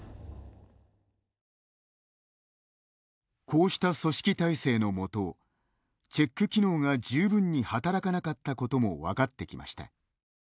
こうした組織体制のもとチェック機能が十分に働かなかったことも分かってきました。